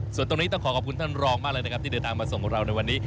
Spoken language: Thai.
ส่วนตรงนี้ต้องขอขอบคุณท่านรองมากเลยนะครับที่เดินทางมาส่งของเราในวันนี้